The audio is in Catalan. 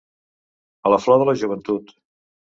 A la flor de la joventut.